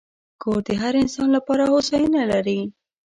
کور د هر انسان لپاره هوساینه لري.